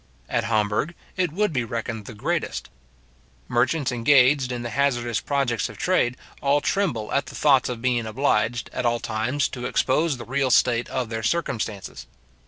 At Hamburg it would be reckoned the greatest. Merchants engaged in the hazardous projects of trade, all tremble at the thoughts of being obliged, at all times, to expose the real state of their circumstances.